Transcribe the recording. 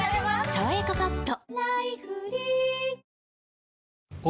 「さわやかパッド」